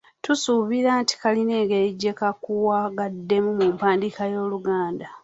Tusuubira nti kalina engeri gye kakuwagaddemu mu mpandiika y’Oluganda.